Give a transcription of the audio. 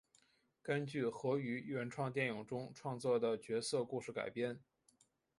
根据和于原创电影中创作的角色故事改编。